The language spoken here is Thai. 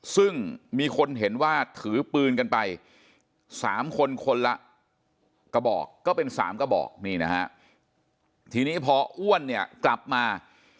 ซึ่งมีคนเห็นว่าถือปืนกันไป๓คนคนละกระบอกก็เป็น๓กระบอกนี่นะฮะทีนี้พออ้วนเนี่ยกลับมา